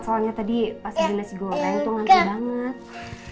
soalnya tadi pas beli nasi goreng tuh ngantin banget